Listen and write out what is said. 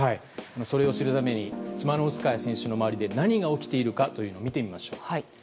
それを知るためにチマノウスカヤ選手の周りで何が起きているかを見てみましょう。